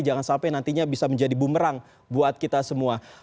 jangan sampai nantinya bisa menjadi bumerang buat kita semua